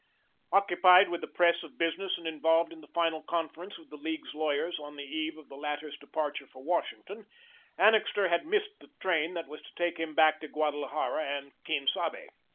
Occupied with the press of business and involved in the final conference with the League's lawyers on the eve of the latter's departure for Washington, Annixter had missed the train that was to take him back to Guadalajara and Quien Sabe.